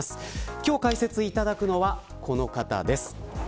今日解説いただくのはこの方です。